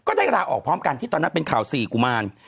ได้ลาออกพร้อมกันที่ตอนนั้นเป็นข่าว๔กุมาร